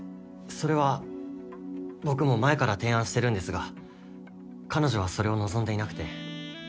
それは僕も前から提案してるんですが彼女はそれを望んでいなくて。